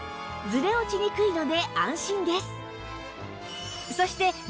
ずれ落ちにくいので安心です